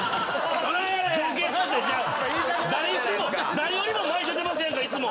誰よりも前出てますやんかいつも！